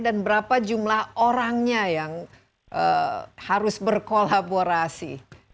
dan berapa jumlah orangnya yang harus berkolaborasi